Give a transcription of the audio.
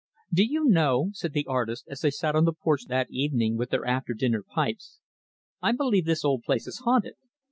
"Do you know," said the artist, as they sat on the porch that evening, with their after dinner pipes, "I believe this old place is haunted."